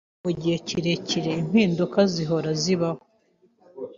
ariko mugihe kirekire impinduka zihora zibaho